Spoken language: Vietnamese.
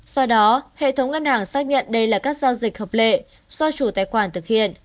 sau đó hệ thống ngân hàng xác nhận đây là các giao dịch hợp lệ do chủ tài khoản thực hiện